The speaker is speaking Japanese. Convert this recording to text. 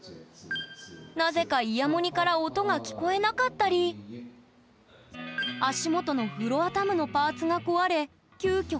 なぜかイヤモニから音が聞こえなかったり足元のフロアタムのパーツが壊れ急きょ